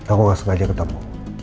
aku enggak sengaja ketemu